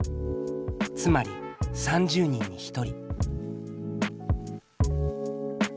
つまり３０人に１人。